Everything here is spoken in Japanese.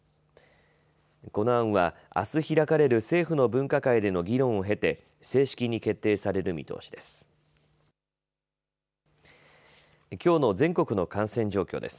この案はあす開かれる政府の分科会での議論を経て正式に決定される見通しです。